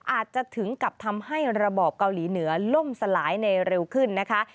อาจจะถึงกับทำให้ระบอบเกาหลีเหนือล่มสลายในเร็วขึ้นนะคะ